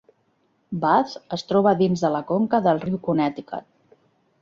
Bath es troba dins de la conca del riu Connecticut.